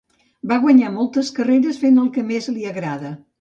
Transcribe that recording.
Va guanyar moltes carreres fent el que més li agrada.